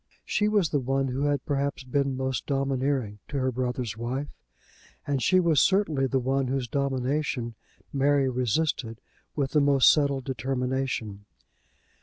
She was the one who had perhaps been most domineering to her brother's wife, and she was certainly the one whose domination Mary resisted with the most settled determination.